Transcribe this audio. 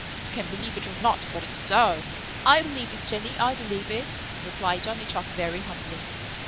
You can believe it or not, but it's so." "I believe it, Jenny, I believe it," replied Johnny Chuck very humbly.